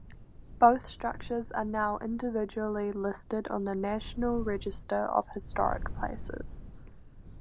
Both structures are now individually listed on the National Register of Historic Places.